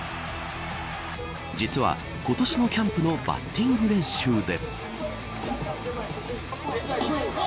実は、今年のキャンプのバッティング練習で。